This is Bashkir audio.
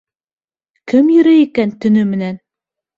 Кем йөрөй икән төнө менән?